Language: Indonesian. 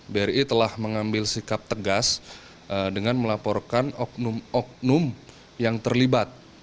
bri telah mengambil sikap tegas dengan melaporkan oknum oknum yang terlibat